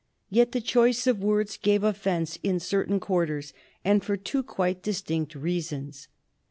Yet the choice of words gave offence in certain quarters, and for two quite distinct reasons.